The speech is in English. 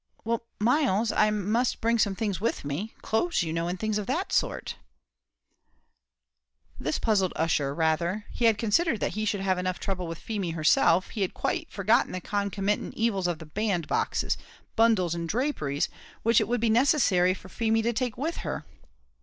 "Why, Myles, I must bring some things with me; clothes, you know, and things of that sort." This puzzled Ussher rather; he had considered that he should have enough trouble with Feemy herself; he had quite forgotten the concomitant evils of the bandboxes, bundles, and draperies which it would be necessary for Feemy to take with her.